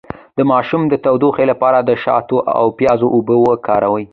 د ماشوم د ټوخي لپاره د شاتو او پیاز اوبه وکاروئ